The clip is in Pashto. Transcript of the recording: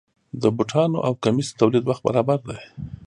د بوټانو او کمیس د تولید وخت برابر دی.